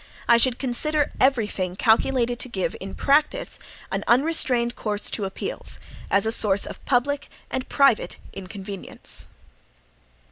I should consider every thing calculated to give, in practice, an unrestrained course to appeals, as a source of public and private inconvenience.